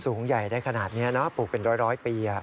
สูงใหญ่ได้ขนาดนี้นะปลูกเป็นร้อยปี